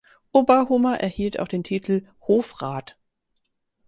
Oberhummer erhielt auch den Titel „Hofrat“.